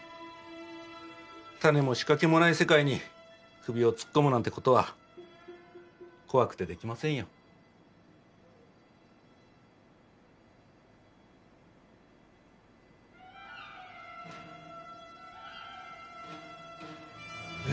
タネも仕掛けもない世界に首を突っ込むなんてことは怖くてできませんよ。え？